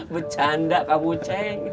bercanda kamu ceng